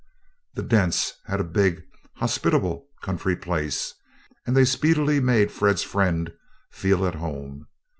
The Dents had a big, hospitable country place, and they speedily made Fred's friend feel at home.